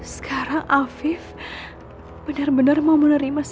sekarang afif benar benar mau menerima